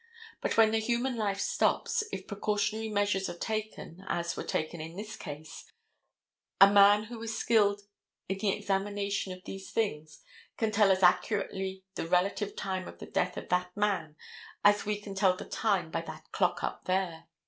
But when the human life stops, if precautionary measures are taken, as were taken in this case, a man who is skilled in the examination of these things can tell as accurately the relative time of the death of that man as we can tell the time by that clock up there.